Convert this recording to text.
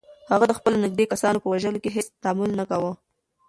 هغه د خپلو نږدې کسانو په وژلو کې هیڅ تامل نه کاوه.